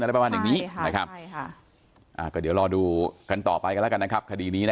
อะไรประมาณนี้นะครับเดี๋ยวรอดูกันต่อไปกันแล้วกันนะครับ